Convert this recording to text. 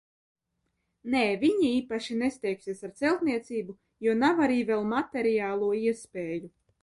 Nē, viņi īpaši nesteigsies ar celtniecību, jo nav arī vēl materiālo iespēju.